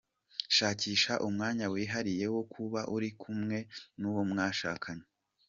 Shakisha umwanya wihariye wo kuba uri kumwe n’uwo mwashakanye.